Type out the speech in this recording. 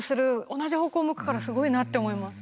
同じ方向を向くからすごいなって思います。